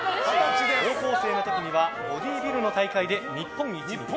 高校生の時にはボディービルの大会で日本一に。